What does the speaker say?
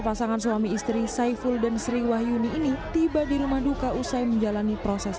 pasangan suami istri saiful dan sri wahyuni ini tiba di rumah duka usai menjalani proses